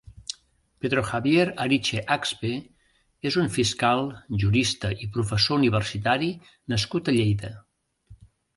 Pedro Javier Ariche Axpe és un fiscal, jurista i professor universitari nascut a Lleida.